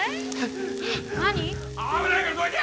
危ないからどいて！